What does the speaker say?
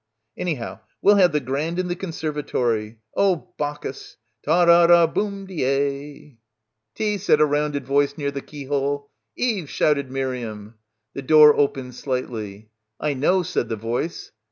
"Anyhow we'll have the grand in the conserva tory. Oh, Bacchus! Ta ra ra boom deay." "Tea" said a rounded voice near the keyhole. "Eve !" shouted Miriam. The door opened slightly. "I know," said the voice.